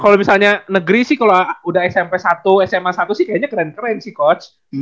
kalau misalnya negeri sih kalau udah smp satu sma satu sih kayaknya keren keren sih coach